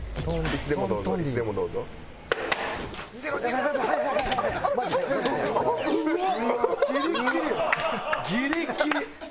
ギリギリ！